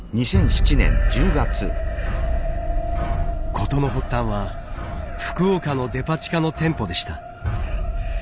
事の発端は福岡のデパ地下の店舗でした。